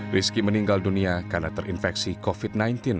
rizky meninggal dunia karena terinfeksi covid sembilan belas